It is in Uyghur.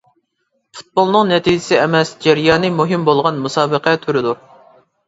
پۇتبولنىڭ نەتىجىسى ئەمەس جەريانى مۇھىم بولغان مۇسابىقە تۈرىدۇر.